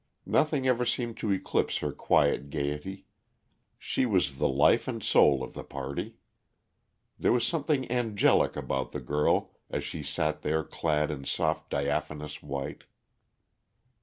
Nothing ever seemed to eclipse her quiet gaiety; she was the life and soul of the party. There was something angelic about the girl as she sat there clad in soft diaphanous white.